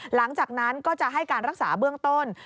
หลังจากนั้นก็จะให้การรักษาเบื้องต้น